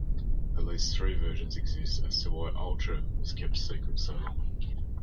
At least three versions exist as to why Ultra was kept secret so long.